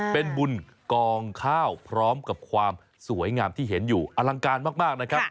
เป็นบุญกองข้าวพร้อมกับความสวยงามที่เห็นอยู่อลังการมากนะครับ